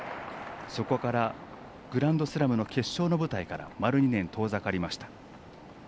そこからグランドスラムの決勝の舞台から丸２年遠ざかりました。